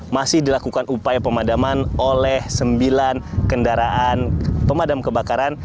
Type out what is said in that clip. masih dilakukan upaya pemadaman oleh sembilan kendaraan pemadam kebakaran